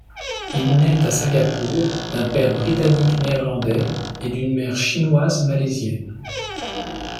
Il naît à Singapour d'un père britannique-néerlandais et d'une mère chinoise-malaisienne.